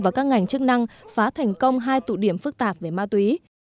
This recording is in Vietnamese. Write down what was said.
và các ngành chức năng phá thành công hai tụ điểm phức tạp về ma túy